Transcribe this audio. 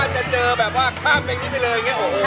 หรือจะเจอแบบว่าข้ามไปนี่เลย